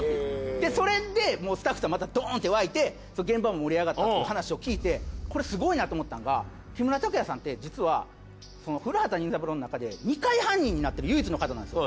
でそれでスタッフさんまたドーンって沸いて現場も盛り上がったっていう話を聞いてこれすごいなと思ったんが木村拓哉さんって実は『古畑任三郎』の中で２回犯人になってる唯一の方なんですよ。